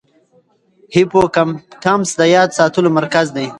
هیپوکمپس د یاد ساتلو مرکز دی.